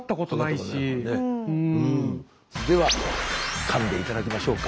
ではかんで頂きましょうか。